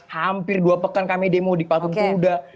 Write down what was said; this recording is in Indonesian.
hampir dua pekan kami demo di pakung tuda